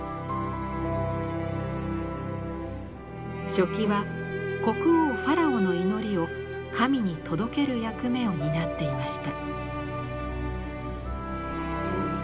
書記は国王ファラオの祈りを神に届ける役目を担っていました。